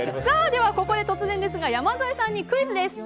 では、ここで突然ですが山添さんにクイズです。